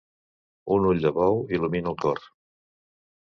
Un ull de bou il·lumina el cor.